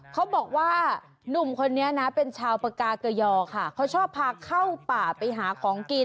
เขาบอกว่าหนุ่มคนนี้นะเป็นชาวปากาเกยอค่ะเขาชอบพาเข้าป่าไปหาของกิน